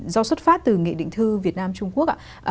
do xuất phát từ nghệ định thư việt nam trung quốc